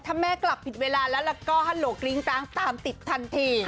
ถ้าแม่กลับผิดเวลาแล้วก็ฮัลโหลกริ้งกลางตามติดทันที